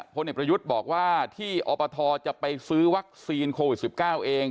พลเอกประยุทธ์บอกว่าที่อปทจะไปซื้อวัคซีนโควิด๑๙เอง